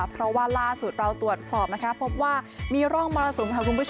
เพราะว่าล่าสุดเราตรวจสอบนะคะพบว่ามีร่องมรสุมค่ะคุณผู้ชม